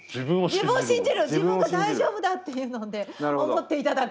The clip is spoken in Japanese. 自分が大丈夫だっていうので思って頂く。